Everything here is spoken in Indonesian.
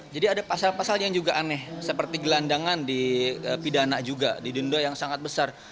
jadi ada pasal pasal yang juga aneh seperti gelandangan di pidana juga di denda yang sangat besar